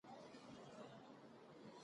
شېخ کټه يو ګرځنده او سیاح سړی وو.